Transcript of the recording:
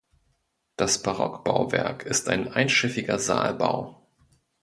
Das Barock-Bauwerk ist ein einschiffiger Saalbau.